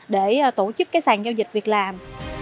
để tổ chức cái sàn giao dịch việc làm